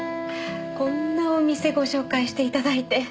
こんなお店ご紹介していただいて。